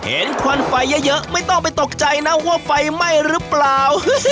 ควันไฟเยอะไม่ต้องไปตกใจนะว่าไฟไหม้หรือเปล่า